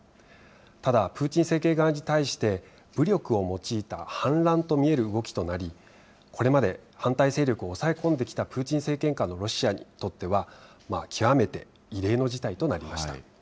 ただ、プーチン政権側に対して、武力を用いた反乱と見える動きとなり、これまで反対勢力を抑え込んできたプーチン政権下のロシアにとっては、極めて異例の事態となりました。